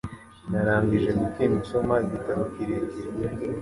Narangije weekend nsoma igitabo kirekire.